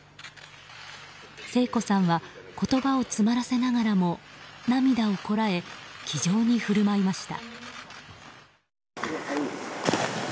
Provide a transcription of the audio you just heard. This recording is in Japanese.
聖子さんは言葉を詰まらせながらも涙をこらえ気丈に振る舞いました。